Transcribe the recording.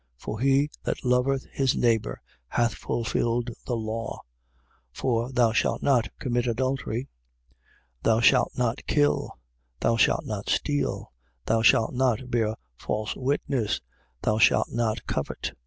For he that loveth his neighbour hath fulfilled the law. 13:9. For: Thou shalt not commit adultery: Thou shalt not kill: Thou shalt not steal: Thou shalt not bear false witness: Thou shalt not covet.